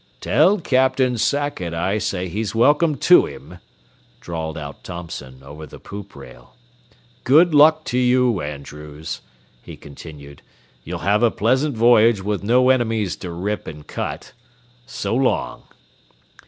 "Tell Captain Sackett I say he's welcome to him," drawled out Thompson, over the poop rail. "Good luck to you, Andrews," he continued; "you'll have a pleasant voyage with no enemies to rip and cut. So long!"